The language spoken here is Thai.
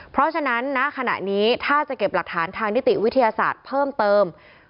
เพราะฉะนั้นณขณะนี้ถ้าจะเก็บหลักฐานทางนิติวิทยาศาสตร์เพิ่มเติม